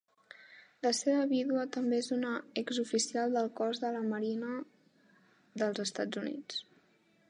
La seva vídua també és una exoficial del cos de la Marina dels Estats Units.